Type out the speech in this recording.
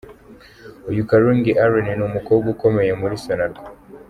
Uyu Karungi Allen ni umukobwa ukomeye muri Sonarwa.